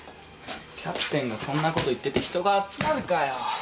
キャプテンがそんなこと言ってて人が集まるかよ。